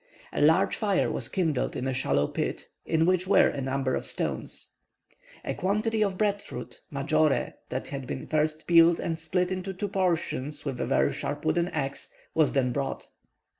A large fire was kindled in a shallow pit, in which were a number of stones. A quantity of bread fruit (majore), that had been first peeled and split into two portions with a very sharp wooden axe, was then brought.